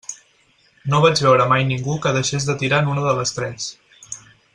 No vaig veure mai ningú que deixés de tirar en una de les tres.